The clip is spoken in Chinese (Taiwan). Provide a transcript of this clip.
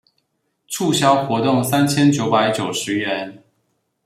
促銷活動三千九百九十元